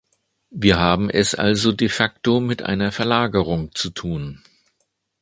Wir haben es also de facto mit einer Verlagerung zu tun.